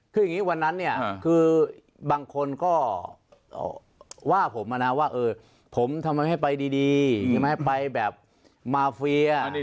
คืออย่างนี้วันนั้นเนี่ยคือบางคนก็ว่าผมนะว่าผมทำไมให้ไปดีใช่ไหมไปแบบมาเฟีย